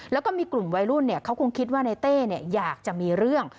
แล้วก็มีกลุ่มวัยรุ่นเขาคงคิดว่าในเต้อยากจะมีเรื่อง